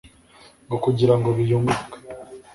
ngo kugirango biyungururwe